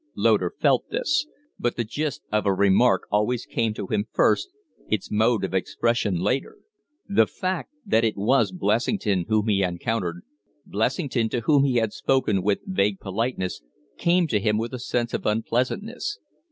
Loder felt this; but the gist of a remark always came to him first, its mode of expression later. The fact that it was Blessington whom he had encountered Blessington to whom he had spoken with vague politeness came to him with a sense of unpleasantness.